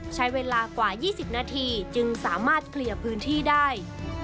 ใช้เวลากว่า๒๐นาทีจึงสามารถเคลียร์พื้นที่ได้